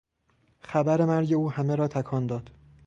خبر مرگ او همه را تکان داد.